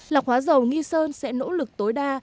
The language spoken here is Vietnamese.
lọc hóa dầu nghi sơn sẽ nỗ lực tối đa